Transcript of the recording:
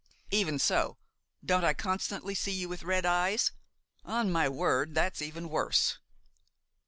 "Even so! don't I constantly see you with red eyes? On my word, that's even worse!"